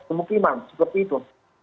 kemukiman seperti itu